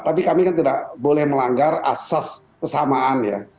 tapi kami kan tidak boleh melanggar asas kesamaan ya